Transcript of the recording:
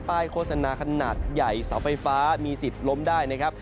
โฆษณาขนาดใหญ่เสาไฟฟ้ามีสิทธิ์ล้มได้นะครับ